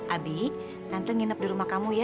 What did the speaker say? abi tante nginap di rumah kamu ya